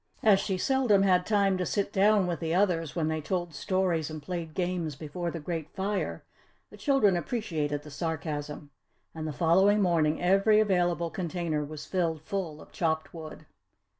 As she seldom had time to sit down with the others when they told stories and played games before the great fire, the children appreciated the sarcasm. And the following morning every available container was filled full of chopped wood.